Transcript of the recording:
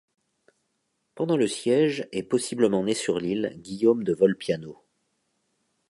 Pendant le siège est possiblement né sur l'île Guillaume de Volpiano.